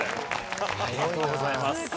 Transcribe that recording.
ありがとうございます。